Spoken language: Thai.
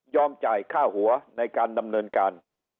จ่ายค่าหัวในการดำเนินการ